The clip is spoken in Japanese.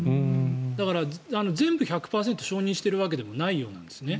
だから、全部１００％承認しているわけでもないようなんですね。